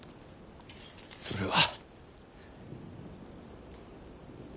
それは。